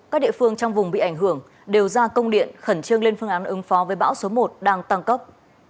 các địa phương trong vùng bị ảnh hưởng đều ra công điện khẩn trương lên phương án ứng phó với bão số một đang tăng cấp